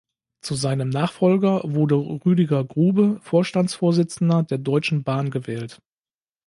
Zu seinem Nachfolger wurde Rüdiger Grube, Vorstandsvorsitzender der Deutschen Bahn gewählt.